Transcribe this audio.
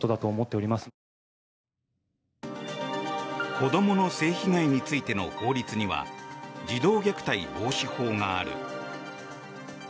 子どもの性被害についての法律には児童虐待防止法がある。